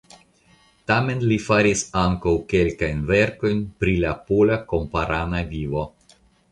Tamen li faris ankaŭ kelkajn verkojn pri la pola kamparana vivo.